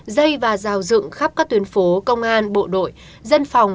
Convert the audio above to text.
dây và rào dựng khắp các tuyến phố công an bộ đội dân phòng